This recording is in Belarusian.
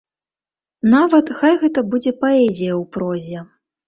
Нават хай гэта будзе паэзія ў прозе.